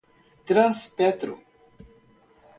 Transpetro